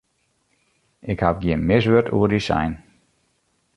Ik haw gjin mis wurd oer dy sein.